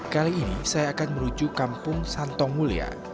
kali ini saya akan menuju kampung santong mulia